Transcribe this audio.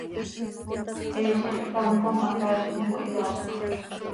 He zixcám com hacaaiz com cohyaazquim.